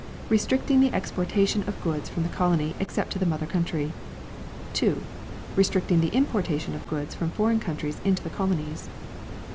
Restricting the exportation of goods from the colony except to the mother country. 2. Restricting the importation of goods from foreign countries into the colonies.